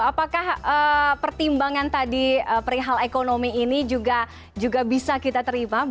apakah pertimbangan tadi perihal ekonomi ini juga bisa kita terima